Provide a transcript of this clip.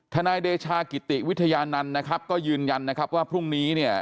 นายเดชากิติวิทยานันต์นะครับก็ยืนยันนะครับว่าพรุ่งนี้เนี่ย